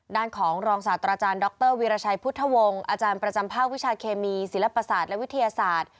ด้านของรองศาสตราจารย์ดรวีรชัยพุทธวงศ์อาจารย์ประจำภาควิชาเคมีศิลปศาสตร์และวิทยาศาสตร์